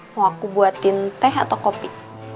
mau aku buatin teh atau kopi